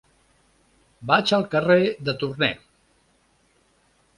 Vaig al carrer de Torné.